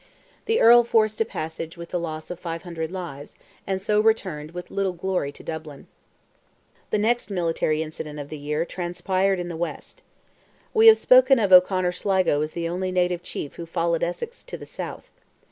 The Earl forced a passage with the loss of 500 lives, and so returned with little glory to Dublin. The next military incident of the year transpired in the West. We have spoken of O'Conor Sligo as the only native chief who followed Essex to the South.